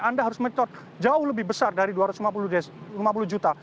anda harus mencoret jauh lebih besar dari dua ratus lima puluh juta